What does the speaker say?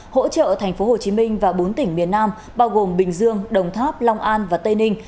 hỗ trợ tp hcm và bốn tỉnh miền nam bao gồm bình dương đồng tháp long an và tây ninh